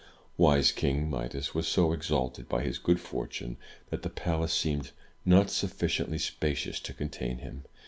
'* Wise King Midas was so exalted by his good fortune, that the palace seemed not sufficiently spacious to contain him.